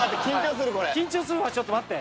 緊張するわちょっと待って。